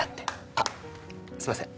あっすいません。